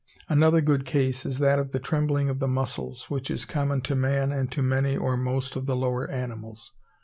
Another good case is that of the trembling of the muscles, which is common to man and to many, or most, of the lower animals.